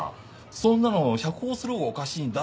そんなの釈放するほうがおかしいんだって！